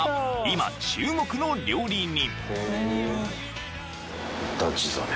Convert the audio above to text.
今注目の料理人］